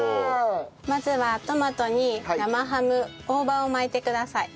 まずはトマトに生ハム大葉を巻いてください。